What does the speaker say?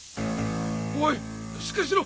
おいしっかりしろ！